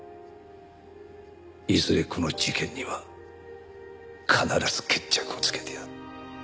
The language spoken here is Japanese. いずれこの事件には必ず決着をつけてやる。